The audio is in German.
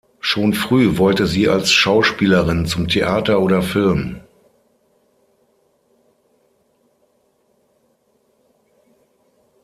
Schon früh wollte sie als Schauspielerin zum Theater oder Film.